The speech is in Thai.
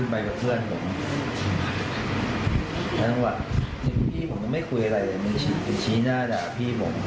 แล้วตั้งหวัดพี่ผมก็ไม่คุยอะไรมันชี้หน้าด่าพี่ผม